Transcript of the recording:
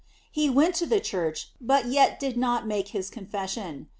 lie went to the church, but yet did not make his confession.